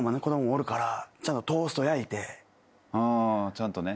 ちゃんとね。